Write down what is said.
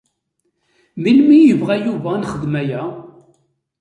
Melmi i yebɣa Yuba ad nexdem aya?